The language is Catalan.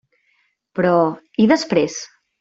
Però, i després?